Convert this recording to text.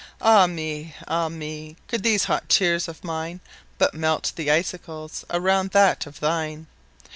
Ah me, Ah me, could these hot tears of mine But melt the icicles around that heart of thine!